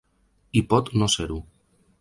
I pot no ser-ho.